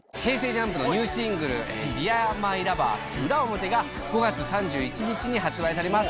ＪＵＭＰのニューシングル『ＤＥＡＲＭＹＬＯＶＥＲ／ウラオモテ』が５月３１日に発売されます。